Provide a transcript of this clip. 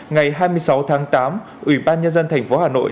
ngày hai mươi sáu tháng tám ủy ban nhân dân tp hà nội